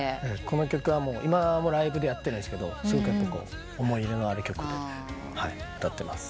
この曲は今もライブでやってるんですがすごく思い入れのある曲で歌ってます。